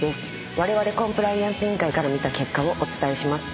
われわれコンプライアンス委員会から見た結果をお伝えします。